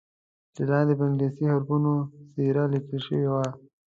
ترې لاندې په انګلیسي حروفو سیرا لیکل شوی وو.